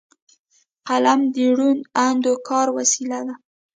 قلم د روڼ اندو کار وسیله ده